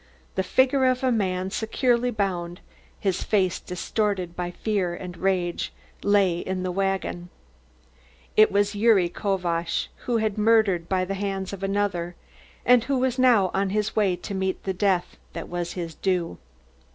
The figure of a man, securely bound, his face distorted by rage and fear, lay in the wagon. It was Gyuri Kovacz, who had murdered by the hands of another, and who was now on his way to meet the death that was his due.